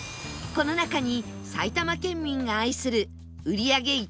この中に埼玉県民が愛する売り上げ